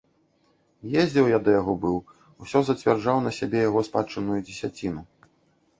Ездзіў я да яго быў, усё зацвярджаў на сябе яго спадчынную дзесяціну.